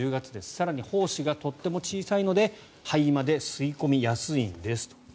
更に、胞子がとても小さいので肺まで吸い込みやすいんですと。